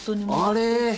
あれ！